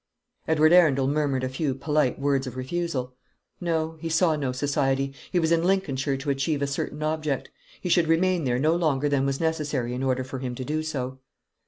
Edward Arundel murmured a few polite words of refusal. No; he saw no society; he was in Lincolnshire to achieve a certain object; he should remain there no longer than was necessary in order for him to do so.